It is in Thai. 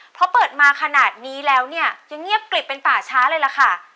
เพราะเปิดมาขนาดนี้แล้วเนี่ยยังเงียบกลิบเป็นป่าช้าเลยล่ะค่ะ